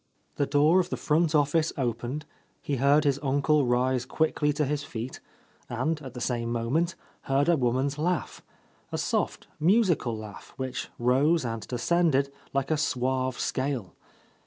The door of the front office opened, he heard his uncle rise quickly to his feet, and, at the same moment, heard a woman's laugh, — a soft, musical laugh which rose and descended like a suave scale.